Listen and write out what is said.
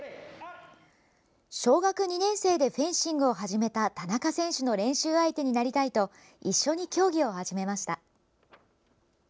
小学２年生でフェンシングを始めた田中選手の練習相手になりたいと一緒に競技を始めました。